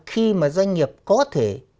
khi mà doanh nghiệp có thể